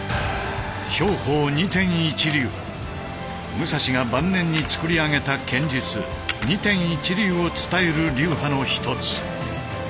武蔵が晩年に創り上げた剣術「二天一流」を伝える流派の一つ。